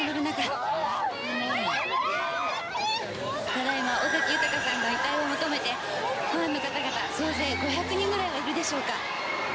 ただ今尾崎豊さんの遺体を求めてファンの方々総勢５００人ぐらいはいるでしょうか。